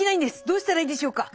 どうしたらいいでしょうか？」。